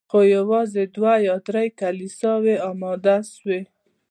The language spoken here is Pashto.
خو یوازي دوه یا درې کلیساوي اماده سوې